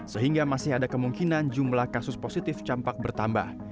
sehingga masih ada kemungkinan jumlah kasus positif campak bertambah